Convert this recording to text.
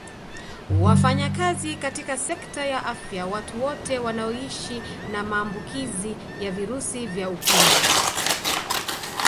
Wafanyakazi katika sekta ya afya Watu wote wanaoishi na maambukizi ya virusi vya Ukimwi